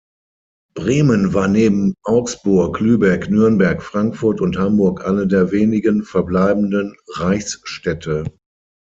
Bremen war neben Augsburg, Lübeck, Nürnberg, Frankfurt und Hamburg eine der wenigen verbleibenden Reichsstädte.